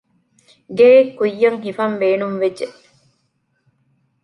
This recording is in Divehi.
ގެއެއްކުއްޔަށް ހިފަން ބޭނުންވެއްޖެ